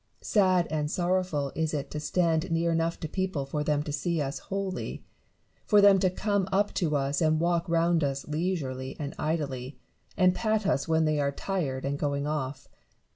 Sad and sorrowful is it to stand near enough to people for them to see us wholly ; for them to come up to us and walk round us leisurely and idly, and pat us when they are tired and going off.